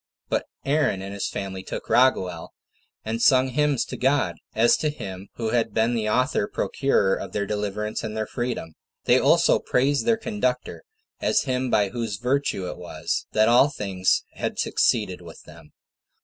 But Aaron and his family took Raguel, and sung hymns to God, as to Him who had been the author procurer of their deliverance and their freedom. They also praised their conductor, as him by whose virtue it was that all things had succeeded with them.